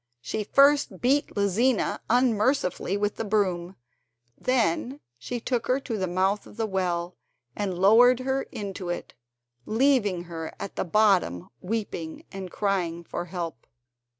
She first beat Lizina unmercifully with the broom, then she took her to the mouth of the well and lowered her into it, leaving her at the bottom weeping and crying for help.